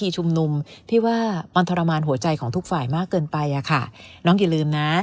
ชุมนุมที่ว่ามันทรมานหัวใจของทุกฝ่ายมากเกินไปอะค่ะน้องอย่าลืมนะ